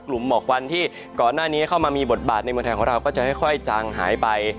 หมอกวันที่ก่อนหน้านี้เข้ามามีบทบาทในเมืองไทยของเราก็จะค่อยจางหายไป